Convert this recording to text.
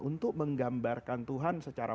untuk menggambarkan tuhan secara